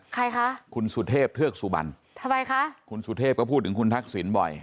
ใครคะคุณสุเทพเทือกสุบันทำไมคะคุณสุเทพก็พูดถึงคุณทักษิณบ่อย